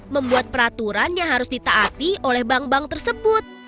membuat peraturan yang harus ditaati oleh bank bank tersebut